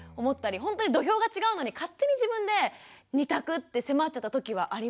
ほんとに土俵が違うのに勝手に自分で２択って迫ってた時はありましたね。